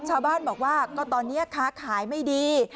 ชาวบ้านบอกว่าก็ตอนนี้ค้าขายไม่ดี